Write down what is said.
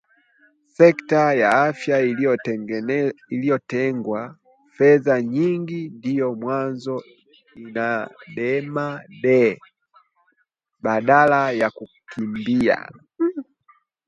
Sekta ya afya iliyotengewa fedha nyingi ndio mwanzo inadema de! Badala ya kukimbia